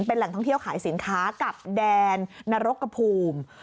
เป็นแหล่งท่องเที่ยวขายสินค้ากับแดนนรกกระภูมิ